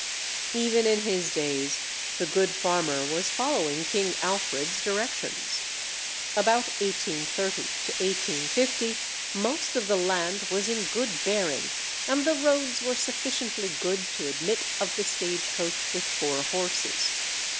Even in his days, the good farmer was following King Alfred's directions. About 1830 1850 most of the land was in good bearing, and the roads were sufficiently good to admit of the stage coach with four horses.